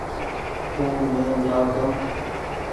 ٿوم لين جآئو تم ۔